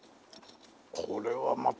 これはまた。